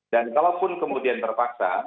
dan kalaupun kemudian terpaksa